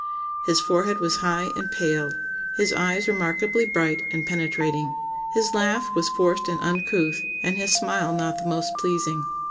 His forehead was high and pale. His eyes remarkably bright and penetrating. His laugh was forced and uncouth, and his smile not the most pleasing.